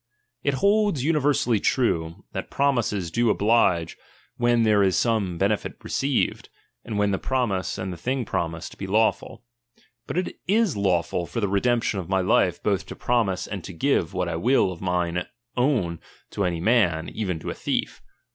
It holds universally true, that promises do oblige, when there is some benefit received, and when the promise, and the thing promised, belawful. But it is lawful, for the redemption of my life, both to promise and to give what I will of mine own to any man, even to a thief.